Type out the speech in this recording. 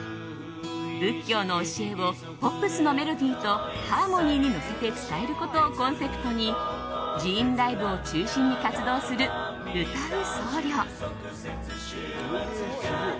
仏教の教えをポップスのメロディーとハーモニーに乗せて伝えることをコンセプトに寺院ライブを中心に活動する歌う僧侶。